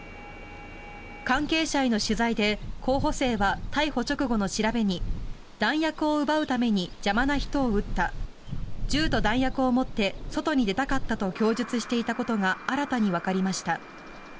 関係者への取材で候補生は逮捕直後の調べに弾薬を奪うために邪魔な人を撃った銃と弾薬を持って外に出たかったと供述していたことが新たにわかりました。